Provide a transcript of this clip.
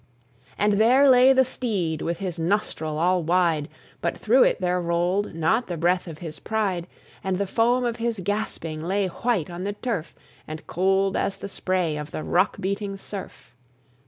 And there lay the steed with his nostril all wide, But through it there rolled not the breath of his pride; And the foam of his gasping lay white on the turf, And cold as the spray of the rock beating surf.